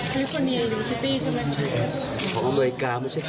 ใช่ครับของอเมริกาไม่ใช่ฟิฟิน